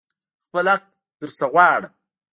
خپل حق درنه غواړم.